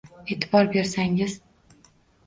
E’tibor bersangiz